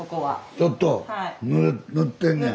ちょっと塗ってんねん。